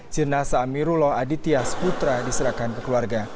jenasa amirullah aditya sputra diserahkan ke keluarga